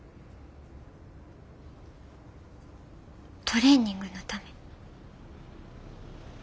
トレーニングのため。